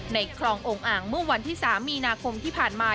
คลององค์อ่างเมื่อวันที่๓มีนาคมที่ผ่านมา